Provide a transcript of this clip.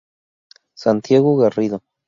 Santiago Garrido.